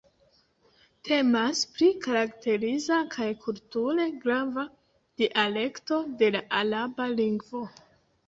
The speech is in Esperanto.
Temas pri karakteriza kaj kulture grava dialekto de la araba lingvo.